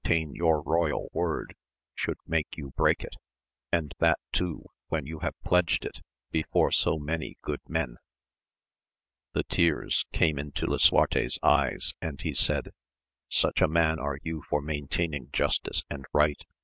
«« your royal word should make you break ■d that too when you have pledged it before fM> 94 AMADIS OF GAUL. many good men. The tears came into Lisuarte's eyes, and he said, Such a man are you for maintaining justice and right